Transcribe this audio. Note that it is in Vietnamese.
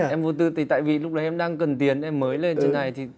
em vô tư thì tại vì lúc đấy em đang cần tiền em mới lên trên này